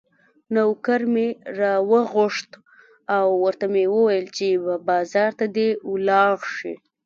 نوکر مې راوغوښت او ورته مې وویل چې بازار ته دې ولاړ شي.